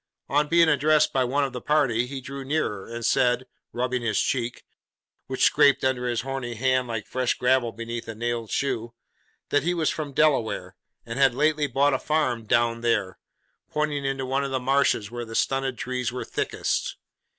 On being addressed by one of the party, he drew nearer, and said, rubbing his chin (which scraped under his horny hand like fresh gravel beneath a nailed shoe), that he was from Delaware, and had lately bought a farm 'down there,' pointing into one of the marshes where the stunted trees were thickest.